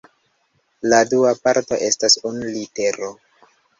La dua parto estas unu litero.